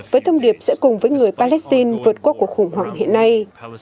với thông điệp sẽ cùng với người palestine vượt qua cuộc khủng hoảng hiện nay